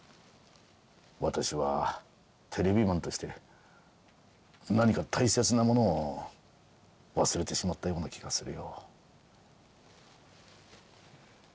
私はテレビマンとして何か大切なものを忘れてしまったような気がするよ。